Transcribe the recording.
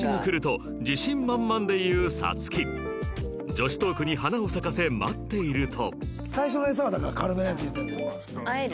女子トークに花を咲かせ待っていると